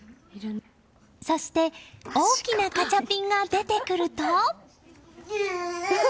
そして、大きなガチャピンが出てくると。